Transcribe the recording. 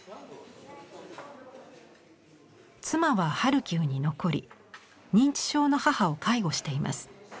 妻はハルキウに残り認知症の母を介護しています。